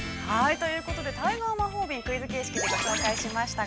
◆ということで、タイガー魔法瓶、クイズ形式でご紹介しましたが。